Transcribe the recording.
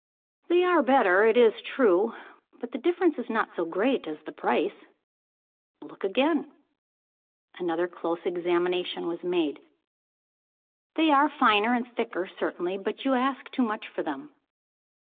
"They are better, it is true. But the difference is not so great as the price." "Look again." Another close examination was made. "They are finer and thicker certainly. But you ask too much for them."